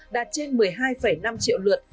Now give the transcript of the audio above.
đạt trên một mươi hai năm triệu lượt